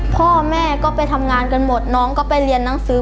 พ่อแม่ก็ไปทำงานกันหมดน้องก็ไปเรียนหนังสือ